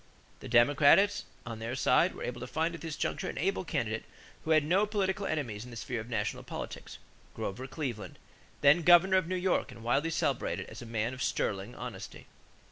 The Democrats on their side were able to find at this juncture an able candidate who had no political enemies in the sphere of national politics, Grover Cleveland, then governor of New York and widely celebrated as a man of "sterling honesty."